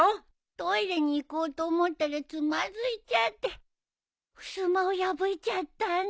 トイレに行こうと思ったらつまずいちゃってふすまを破いちゃったんだ。